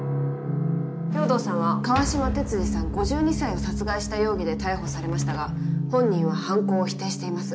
兵藤さんは川島鉄二さん５２歳を殺害した容疑で逮捕されましたが本人は犯行を否定しています。